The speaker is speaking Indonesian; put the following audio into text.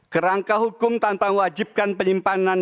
kerangka hukum tanpa wajibkan penyimpanan